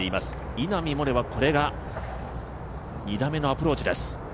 稲見萌寧はこれが２打目のアプローチです。